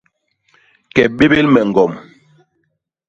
Ke bébél me ñgom.